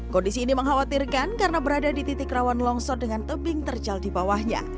kondisi ini mengkhawatirkan karena berada di titik rawan longsor dengan tebing terjal di bawahnya